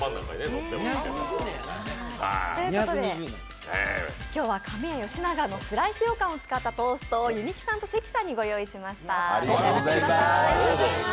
ということで今日は亀屋良長のスライスようかんを使ったトーストを弓木さんと関さんにご用意しました。